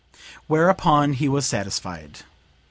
Whereupon he was satisfied.